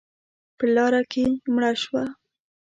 _په لاره کې مړه شوه.